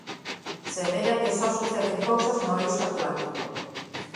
Semella que só suceden cousas no eixo atlántico.